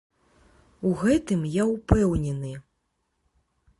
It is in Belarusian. У гэтым я ўпэўнены.